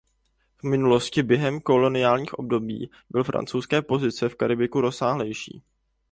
V minulosti během koloniálního období byly francouzské pozice v Karibiku rozsáhlejší.